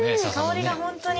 香りが本当に。